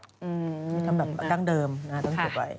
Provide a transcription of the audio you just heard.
มีคำแบบตั้งเดิมต้องถูกไว้